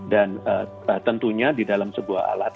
dan tentunya di dalam sebuah alat